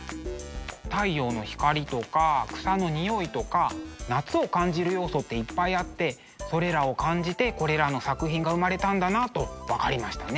太陽の光とか草の匂いとか夏を感じる要素っていっぱいあってそれらを感じてこれらの作品が生まれたんだなと分かりましたね。